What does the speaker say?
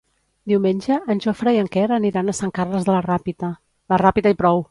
Diumenge en Jofre i en Quer aniran a Sant Carles de la Ràpita.